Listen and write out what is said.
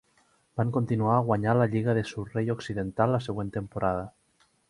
Van continuar a guanyar la Lliga de Surrey Occidental la següent temporada.